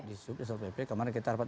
di sup dan satpol pp